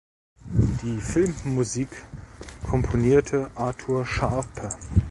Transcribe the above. Die Filmmusik komponierte Arthur Sharpe.